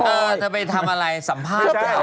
เออเธอไปทำอะไรสัมภาษณ์อะไรอย่างไร